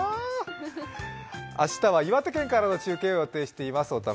明日は岩手県からの中継を予定しています。